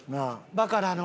バカラの。